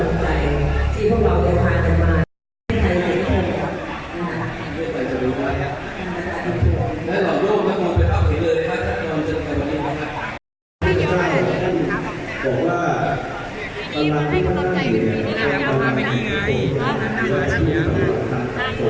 สัมพันธุ์วัพดิวาโขศัยีดิวธิณฑ์หรือแปลนหน้า